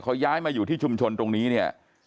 เขาย้ายมาอยู่ที่ชุมชนตรงนี้เนี่ย